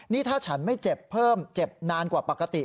นี่ถ้าฉันไม่เจ็บเพิ่มเจ็บนานกว่าปกติ